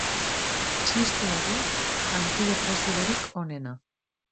Txistua du antidepresiborik onena.